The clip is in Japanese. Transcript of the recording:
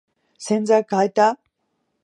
洗剤かえた？